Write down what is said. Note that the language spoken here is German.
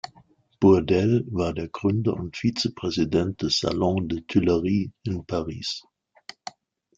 Bourdelle war der Gründer und Vizepräsident des "„Salon des Tuileries“" in Paris.